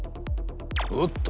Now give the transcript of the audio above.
おっと！